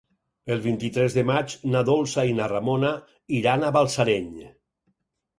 El vint-i-tres de maig na Dolça i na Ramona iran a Balsareny.